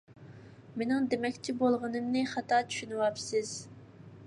مېنىڭ دېمەكچى بولغىنىمنى خاتا چۈشىنىۋاپسىز!